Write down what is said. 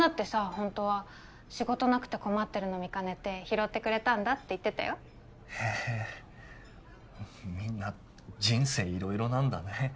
ホントは仕事なくて困ってるの見かねて拾ってくれたんだって言ってたよへえみんな人生色々なんだね